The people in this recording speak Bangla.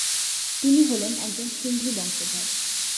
তিনি হলেন একজন সিন্ধি বংশধর।